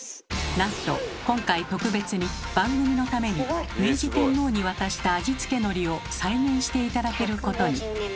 なんと今回特別に番組のために明治天皇に渡した味付けのりを再現して頂けることに。